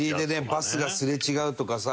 バスがすれ違うとかさ。